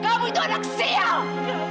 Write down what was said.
kamu itu anak sial